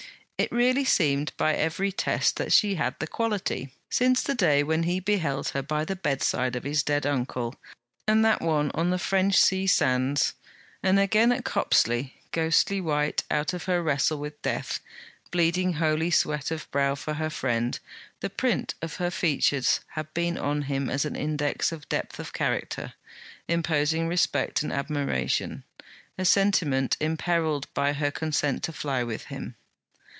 It really seemed by every test that she had the quality. Since the day when he beheld her by the bedside of his dead uncle, and that one on the French sea sands, and again at Copsley, ghostly white out of her wrestle with death, bleeding holy sweat of brow for her friend, the print of her features had been on him as an index of depth of character, imposing respect and admiration a sentiment imperilled by her consent to fly with him.